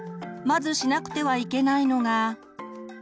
まずしなくてはいけないのが。